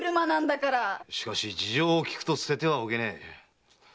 しかし事情を聞くと捨ててはおけねえ。